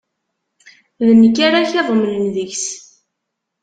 D nekk ara k-iḍemnen deg-s.